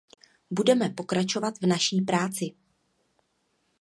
Budeme pokračovat v naší práci.